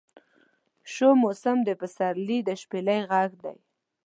شو موسم د پسرلي د شپیلۍ غږدی